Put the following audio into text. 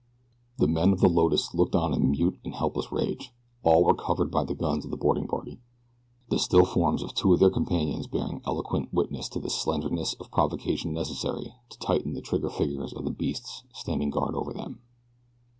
The men of the Lotus looked on in mute and helpless rage. All were covered by the guns of the boarding party the still forms of two of their companions bearing eloquent witness to the slenderness of provocation necessary to tighten the trigger fingers of the beasts standing guard over them.